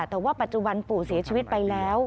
แต่ว่าปัจจุบันปู่เสียชีวิตไปแล้ว